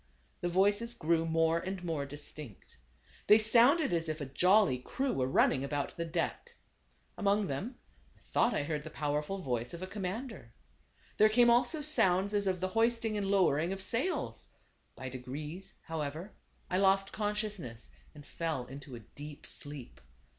The voices grew more and more distinct. They sounded as if a jolly crew were running about the deck. Among them, I thought I heard the powerful voice of a commander. There came also sounds as of the hoisting and lowering of sails. By degrees, how ever, I lost consciousness, and fell into a deep sleep.